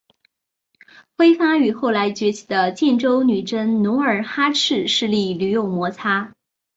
辉发与后来崛起的建州女真努尔哈赤势力屡有摩擦。